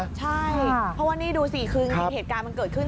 เพราะวันนี้ดูสิคือเหตุการณ์มันเกิดขึ้น